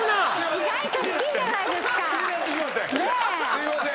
すいません。